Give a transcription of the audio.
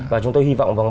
và chúng tôi hy vọng